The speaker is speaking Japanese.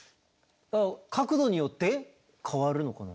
角度によって変わるのかな？